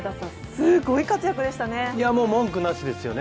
すごい活躍でしたね。